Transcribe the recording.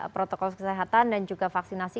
protokol kesehatan dan juga vaksinasi